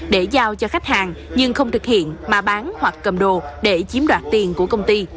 để giao cho khách hàng nhưng không thực hiện mà bán hoặc cầm đồ để chiếm đoạt tiền của công ty